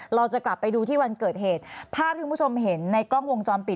เราจะกลับไปดูที่วันเกิดเหตุภาพที่คุณผู้ชมเห็นในกล้องวงจรปิด